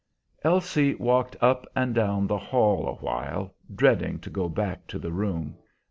Elsie walked up and down the hall awhile, dreading to go back to the room.